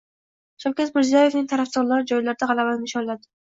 Shavkat Mirziyoyevning tarafdorlari joylarda g‘alabani nishonladi